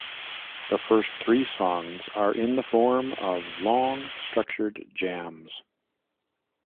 The first three songs are in the form of long, structured jams.